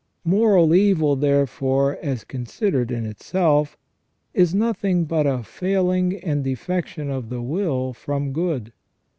Moral evil, therefore, as considered in itself, is nothing but a failing and defection of the will from good.